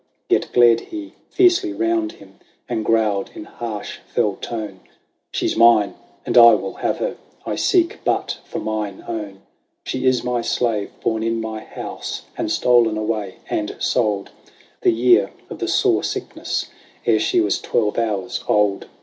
Yet glared he fiercely round him, and growled in harsh, fell tone, " She 's mine, and I will have her : I seek but for mine own : She is my slave, born in my house, and stolen away and sold. The year of the sore sickness, ere she was twelve hours old.